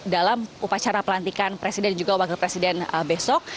dalam upacara pelantikan presiden dan juga wakil presiden besok